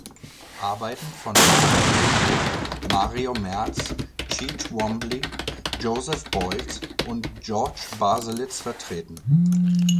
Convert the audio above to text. Arbeiten von Mark Rothko, Mario Merz, Cy Twombly, Joseph Beuys und Georg Baselitz vertreten.